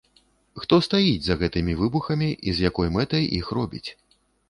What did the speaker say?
Хто стаіць за гэтымі выбухамі і з якой мэтай іх робіць?